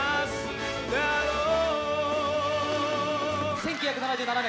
１９７７年